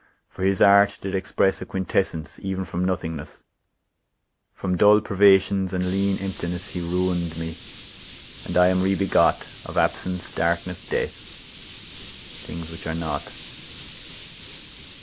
For his art did express A quintessence even from nothingness, From dull privations, and lean emptiness ; He ruin'd me, and I am re begot Of absence, darkness, death—things which are not.